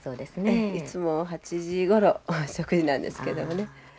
ええいつも８時ごろ食事なんですけどもね。